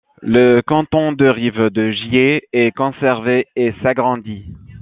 Le canton de Rive-de-Gier est conservé et s'agrandit.